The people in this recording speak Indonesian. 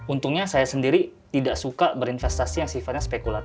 untungnya saya sendiri tidak suka berinvestasi yang sifatnya spekulatif